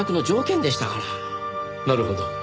なるほど。